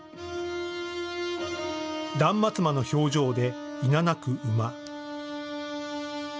断末魔の表情でいななく馬。